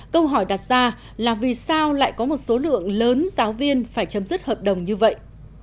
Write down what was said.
câu hỏi đặt ra là vì sao lại có một số lượng lớn giáo viên phải chấm dứt hợp đồng như vậy